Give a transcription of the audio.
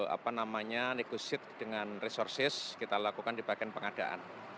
apa namanya negosit dengan resources kita lakukan di bagian pengadaan